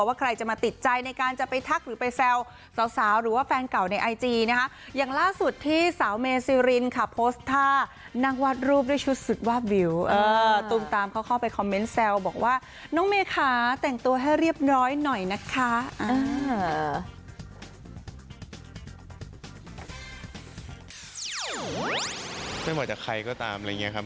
ไม่เหมาะจากใครก็ตามอะไรอย่างเงี้ยครับ